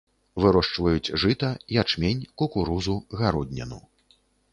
Вырошчваюць жыта, ячмень, кукурузу, гародніну.